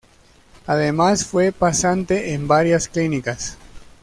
Además fue pasante en varias clínicas.